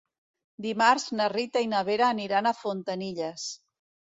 Dimarts na Rita i na Vera aniran a Fontanilles.